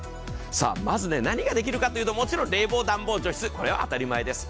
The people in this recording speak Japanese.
まず何ができるかというと、冷房、暖房、除湿、これは当たり前です。